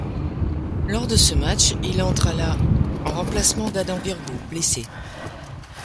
Lors de ce match, il entre à la en remplacement d'Adam Virgo, blessé.